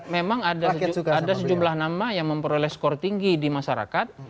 memang ada sejumlah nama yang memperoleh skor tinggi di masyarakat